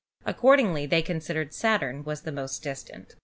Accordingly they considered that Saturn was the most distant.